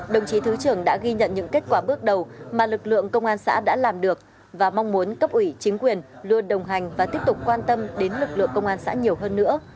đồng chí thứ trưởng đã ghi nhận những kết quả bước đầu mà lực lượng công an xã đã làm được và mong muốn cấp ủy chính quyền luôn đồng hành và tiếp tục quan tâm đến lực lượng công an xã nhiều hơn nữa